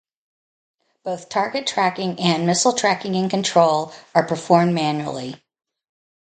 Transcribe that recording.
Both target tracking and missile tracking and control are performed manually.